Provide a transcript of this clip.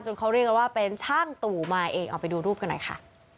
เขาเรียกกันว่าเป็นช่างตู่มาเองเอาไปดูรูปกันหน่อยค่ะ